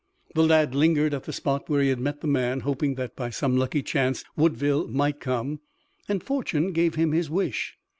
The lad lingered at the spot where he had met the man, hoping that by some lucky chance Woodville might come, and fortune gave him his wish.